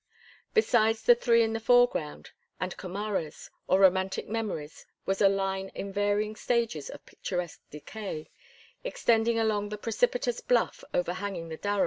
Besides the three in the foreground, and Comares, or romantic memories, was a line in varying stages of picturesque decay, extending along the precipitous bluff overhanging the Darro.